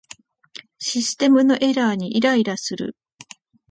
システムのエラーにイライラする